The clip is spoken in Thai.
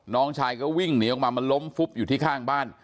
น้องชายก็วิ่งหนีออกมามันล้มฟุบอยู่ที่ข้างบ้าน